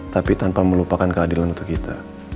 tapi tanpa melupakan keadilan untuk kita